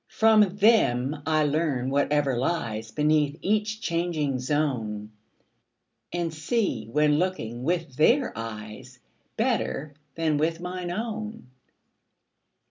From them I learn whatever lies Beneath each changing zone, And see, when looking with their eyes, 35 Better than with mine own.